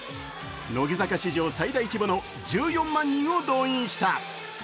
乃木坂史上最大規模の１４万人を動員した。